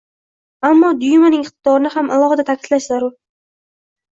Ammo Dyumaning iqtidorini ham alohida ta'kidlash zarur